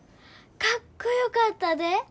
かっこよかったで。